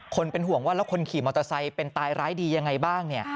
เป็นห่วงว่าแล้วคนขี่มอเตอร์ไซค์เป็นตายร้ายดียังไงบ้างเนี่ย